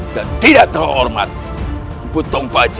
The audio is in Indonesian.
dan tidak terhormat